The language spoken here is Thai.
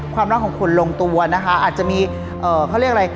ความรักของคุณลงตัวนะคะอาจจะมีเอ่อเขาเรียกอะไร